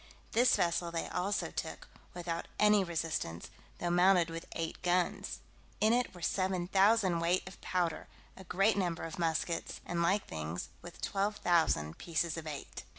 This vessel they also took, without any resistance, though mounted with eight guns. In it were 7,000 weight of powder, a great number of muskets, and like things, with 12,000 pieces of eight.